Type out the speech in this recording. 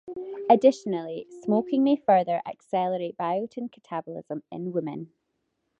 Additionally, smoking may further accelerate biotin catabolism in women.